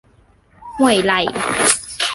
ห้วยไร่